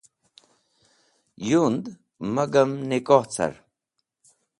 Yund magam nikoh car.